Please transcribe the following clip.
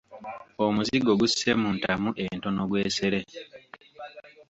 Omuzigo gusse mu ntamu entono gwesere.